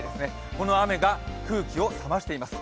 この雨が空気を冷ましています。